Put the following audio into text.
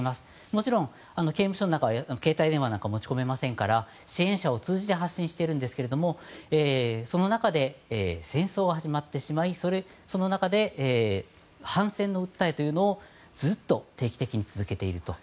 もちろん、刑務所の中は携帯電話なんかは持ち込めませんから支援者を通じて発信しているんですがその中で戦争が始まってしまいその中で反戦の訴えというのをずっと定期的に続けていると。